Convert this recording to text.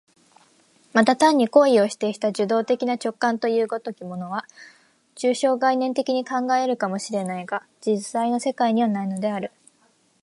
また単に行為を否定した受働的な直覚という如きものは、抽象概念的に考え得るかも知れないが、実在の世界にはないのである。